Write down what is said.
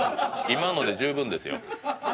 今ので十分ですよ。